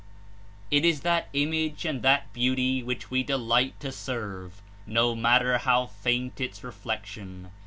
It Is that Image and that beauty which we delight to serve, no matter how faint Its reflection.